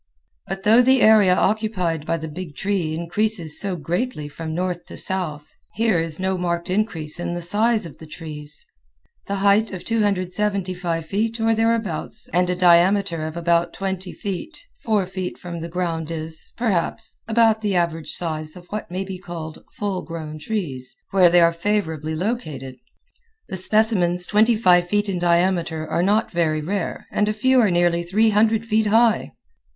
But though the area occupied by the big tree increases so greatly from north to south, here is no marked increase in the size of the trees. The height of 275 feet or thereabouts and a diameter of about twenty feet, four feet from the ground is, perhaps, about the average size of what may be called full grown trees, where they are favorably located. The specimens twenty five feet in diameter are not very rare and a few are nearly three hundred feet high.